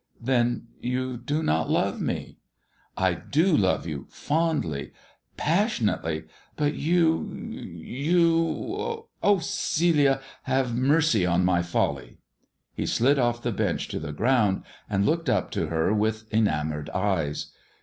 " Then you do not love me ?"" I do love you fondly — ^passionately. But you — you Oh, Celia, have mercy on my folly." He slid o£E the bench on to the ground, and looked up to her with enamoured eyes.